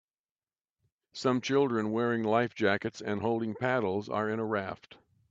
Some children wearing life jackets and holding paddles are in a raft